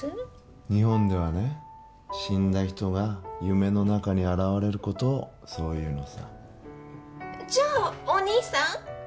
日本ではね死んだ人が夢の中に現れることをそう言うのさじゃあお兄さん！？